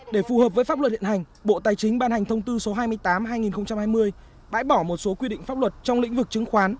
để phù hợp với pháp luật hiện hành bộ tài chính ban hành thông tư số hai mươi tám hai nghìn hai mươi bãi bỏ một số quy định pháp luật trong lĩnh vực chứng khoán